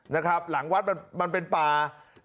นะครับหลังวาดมันเป็นป่า